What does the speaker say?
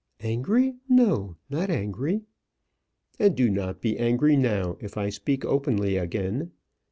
"Angry; no, not angry." "And do not be angry now, if I speak openly again.